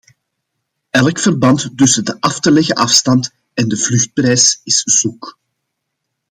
Elk verband tussen de af te leggen afstand en de vluchtprijs is zoek.